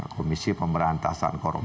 komisi pemberantasan korupsi